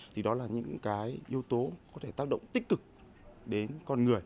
thì đó là những cái yếu tố có thể tác động tích cực đến con người